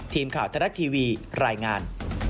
ทีมข่าวไทยรัฐทีวีรายงาน